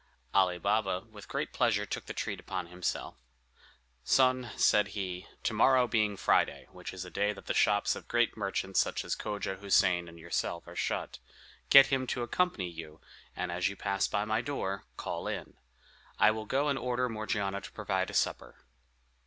Ali Baba with great pleasure took the treat upon himself. "Son," said he, "to morrow being Friday, which is a day that the shops of such great merchants as Cogia Houssain and yourself are shut, get him to accompany you, and as you pass by my door, call in. I will go and order Morgiana to provide a supper."